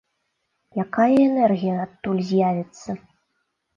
Якая энергія адтуль з'явіцца?